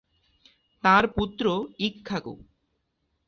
তাঁর পুত্র ইক্ষ্বাকু।